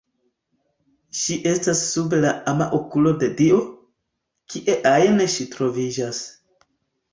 Ŝi estas sub la ama okulo de Dio, kie ajn ŝi troviĝas.